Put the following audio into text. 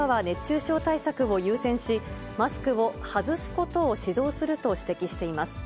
特に夏場は熱中症対策を優先し、マスクを外すことを指導すると指摘しています。